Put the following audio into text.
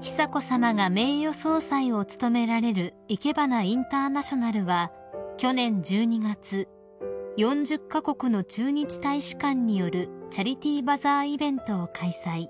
［久子さまが名誉総裁を務められるいけばなインターナショナルは去年１２月４０カ国の駐日大使館によるチャリティーバザーイベントを開催］